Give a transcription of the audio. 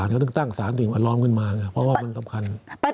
ก็ต้องตั้ง๓สิ่งแวดล้อมขึ้นมาเพราะว่ามันสำคัญ